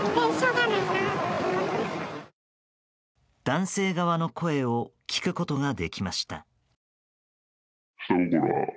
男性側の声を聞くことができました。